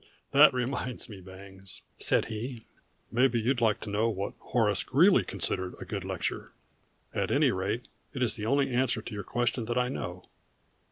"That reminds me, Bangs," said he. "Maybe you'd like to know what Horace Greeley considered a good lecture at any rate it is the only answer to your question that I know.